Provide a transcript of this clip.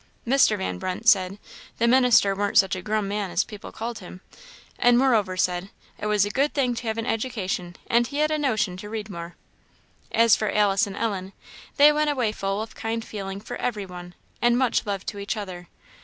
Mr. Van Brunt said "the minister warn't such a grum man as people called him;" and more over said, "it was a good thing to have an education, and he had a notion to read more." As for Alice and Ellen, they went away full of kind feeling for every one, and much love to each other.